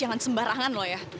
jangan sembarangan lo ya